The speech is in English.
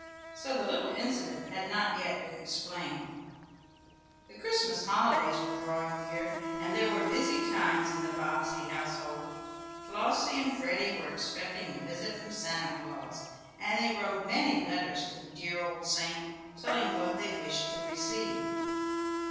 So the little incident had not yet been explained. The Christmas holidays were drawing nearer, and there were busy times in the Bobbsey household. Flossie and Freddie were expecting a visit from Santa Claus, and they wrote many letters to the dear old saint, telling what they wished to receive.